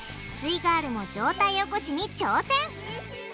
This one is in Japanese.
イガールも上体起こしに挑戦！